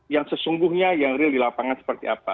yang sesungguhnya yang real di lapangan seperti apa